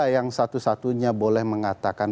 yang satu satunya boleh mengatakan